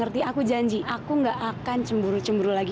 tapi kamu ngerti dong